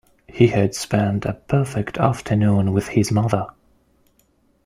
He had spent a perfect afternoon with his mother.